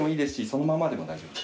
そのままでも大丈夫？